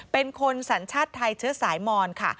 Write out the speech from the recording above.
เป็นคนสัญชาติไทยเชื้อสายมอนค่ะ